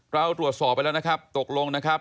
เราตรวจสอบไปแล้วนะครับตกลงนะครับ